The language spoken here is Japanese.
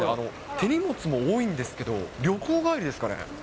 手荷物も多いんですけど、旅行帰りですかね。